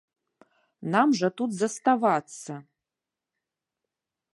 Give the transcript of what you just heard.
Нам жа тут заставацца.